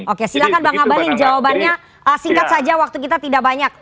oke silahkan bang abalin jawabannya singkat saja waktu kita tidak banyak